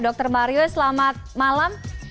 dr marius selamat malam